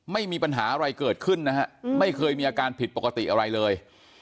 ไม่มีปัญหาอะไรเกิดขึ้นนะฮะไม่เคยมีอาการผิดปกติอะไรเลย